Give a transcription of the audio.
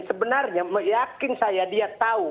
sebenarnya meyakin saya dia tahu